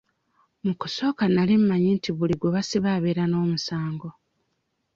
Mu kusooka nali mmanyi nti buli gwe basiba abeera n'omusango.